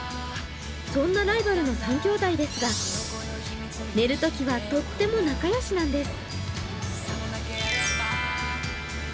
そんなライバルの３きょうだいですが寝るときはとっても仲良しなんです。